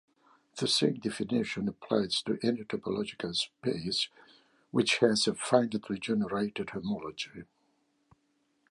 The same definition applies to any topological space which has a finitely generated homology.